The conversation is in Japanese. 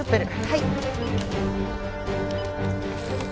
はい。